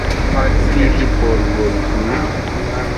Vivi por golfludi?